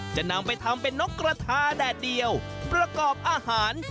จะนำไปทำเป็นนกกระทาแดดเดียวประกอบอาหาร